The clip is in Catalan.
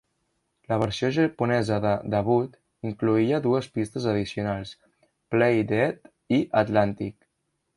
La versió japonesa de "Debut" incloïa dues pistes addicionals: "Play Dead" i "Atlantic".